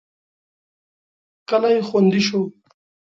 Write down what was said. کلی خوندي شو.